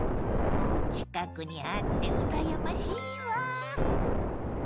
近くにあってうらやましいわ。